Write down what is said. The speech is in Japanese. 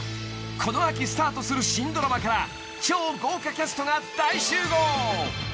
［この秋スタートする新ドラマから超豪華キャストが大集合］